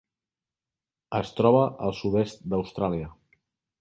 Es troba al sud-est d'Austràlia.